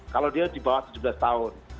kalau dia di bawah tujuh belas tahun